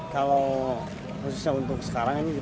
kalau khususnya untuk sekarang ini